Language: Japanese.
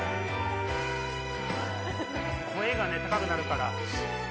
声がね高くなるから。